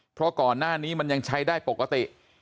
เพราะก่อนหน้านี้มันยังใช้ได้ปกติ